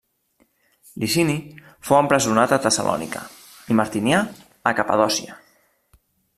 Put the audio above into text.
Licini fou empresonat a Tessalònica i Martinià a Capadòcia.